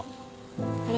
あれ？